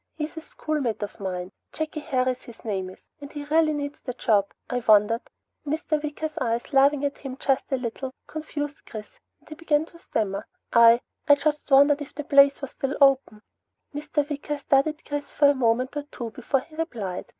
"He's a schoolmate of mine. Jakey Harris, his name is, and he really needs the job. I wondered " Mr. Wicker's eyes, laughing at him just a little, confused Chris and he began to stammer. "I I just wondered if the place was still open." Mr. Wicker studied Chris for a moment or two before he replied.